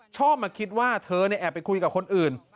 ชอบมาคิดว่าเธอแอบไปคุยกับคนอื่น